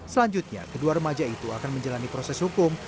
selanjutnya kedua remaja itu akan menjalani proses hukum